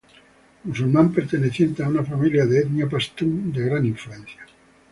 Musulmán perteneciente a una familia de etnia pastún de gran influencia.